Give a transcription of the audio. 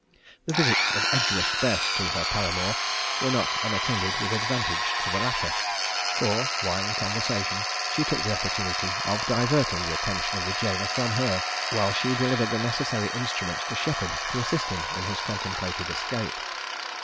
The visits of Edgeworth Bess to her paramour were not unattended with advantage to the latter, for while in conversation, she took the opportunity of diverting the attention of the gaoler from her, while she delivered the necessary instruments to Sheppard to assist him in his contemplated escape.